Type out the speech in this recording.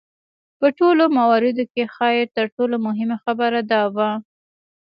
په ټولو مواردو کې ښايي تر ټولو مهمه خبره دا وه.